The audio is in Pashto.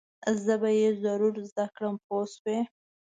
زه به یې ضرور زده کړم پوه شوې!.